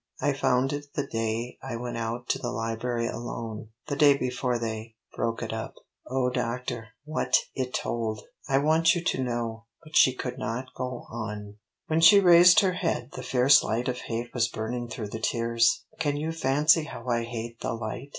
I found it the day I went out to the library alone the day before they broke it up. Oh doctor what it told! I want you to know " but she could not go on. When she raised her head the fierce light of hate was burning through the tears. "Can you fancy how I hate the light?